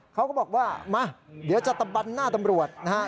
เขาก็บอกว่ามาเดี๋ยวจะตะบันหน้าตำรวจนะฮะ